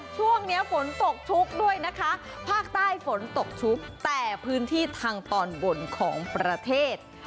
ช่วงนี้ฝนตกชุกด้วยนะคะภาคใต้ฝนตกชุกแต่พื้นที่ทางตอนบนของประเทศ